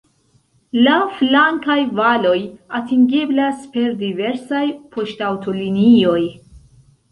La flankaj valoj atingeblas per diversaj poŝtaŭtolinioj.